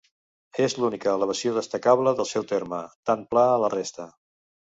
És l'única elevació destacable del seu terme, tan pla a la resta.